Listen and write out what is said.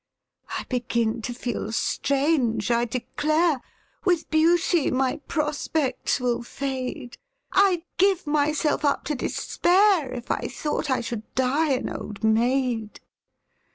I begin to feel strange, I declare! With beauty my prospects will fade I'd give myself up to despair If I thought I should die an old maid!